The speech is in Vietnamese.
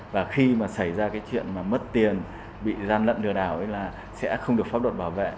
và khi mà xảy ra cái chuyện mà mất tiền bị gian lận lừa đảo ấy là sẽ không được pháp luật bảo vệ